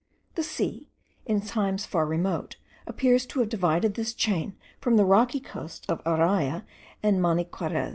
The sea, in times far remote, appears to have divided this chain from the rocky coasts of Araya and Maniquarez.